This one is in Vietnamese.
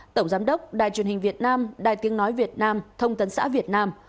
tổng giám đốc đài truyền hình việt nam đài tiếng nói việt nam thông tấn xã việt nam